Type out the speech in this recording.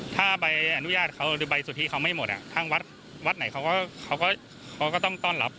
ถ้าใบอนุญาตเขาหรือใบสุทธิเขาไม่หมดทางวัดวัดไหนเขาก็ต้องต้อนรับ